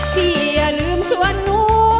อย่าลืมชวนหนู